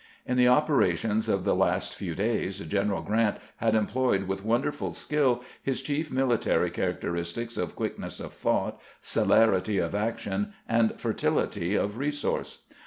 In the operations of the last few days General Grant MANCEUVEBING FOR POSITION 155 had employed with wonderful skill his chief military characteristics of quickness of thought, celerity of action, and fertility of resource.